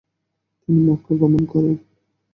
তিনি মক্কা গমন করেন।